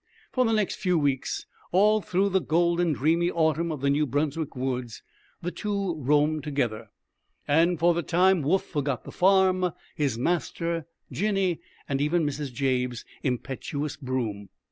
For the next few weeks, all through the golden, dreamy autumn of the New Brunswick woods, the two roamed together; and for the time Woof forgot the farm, his master, Jinny, and even Mrs. Jabe's impetuous broom.